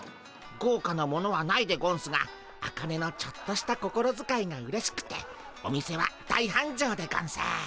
ごうかなものはないでゴンスがアカネのちょっとした心づかいがうれしくてお店は大はんじょうでゴンス。